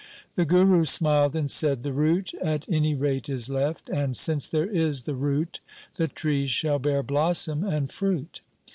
The Guru smiled and said, ' The root at any rate is left, and since there is the root the tree shall bear blossom and fruit.